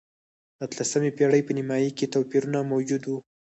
د اتلسمې پېړۍ په نییمایي کې توپیرونه موجود و.